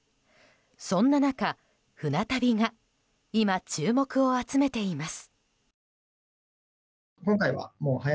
そんな中、船旅が今、注目を集めています。